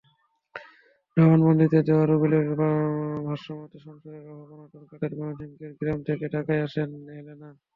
জবানবন্দিতে দেওয়া রুবেলের ভাষ্যমতে, সংসারের অভাব-অনটন কাটাতে ময়মনসিংহের গ্রাম থেকে ঢাকায় আসেন হেলেনা।